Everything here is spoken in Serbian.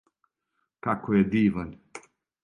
Како је диван.